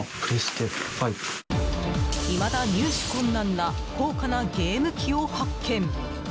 いまだ入手困難な高価なゲーム機を発見。